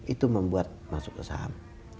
itu membuat masuk ke saham